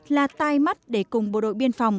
là tai mắt để cùng bộ đội biên phòng